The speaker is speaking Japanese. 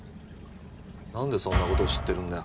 何でそんなことを知ってるんだ